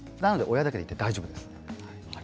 親だけ行っても大丈夫です。